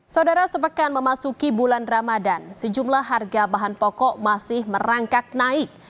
saudara sepekan memasuki bulan ramadan sejumlah harga bahan pokok masih merangkak naik